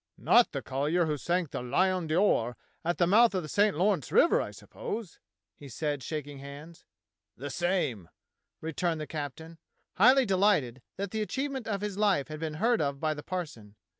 "Not the Collyer who sank the Lion d^Or at the mouth of the St. Lawrence River, I suppose.^^" he said, shaking hands. "The same," returned the captain, highly delighted that the achievement of his life had been heard of by the parson.